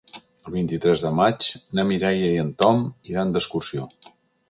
El vint-i-tres de maig na Mireia i en Tom iran d'excursió.